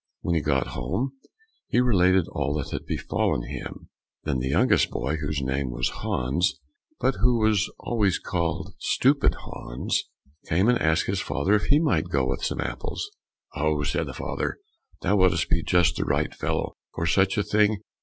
When he got home he related all that had befallen him, then the youngest boy, whose name was Hans, but who was always called Stupid Hans, came and asked his father if he might go with some apples. "Oh!" said the father, "thou wouldst be just the right fellow for such a thing!